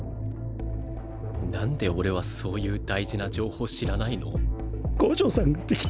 なんで俺はそういう大事な情報知らないの？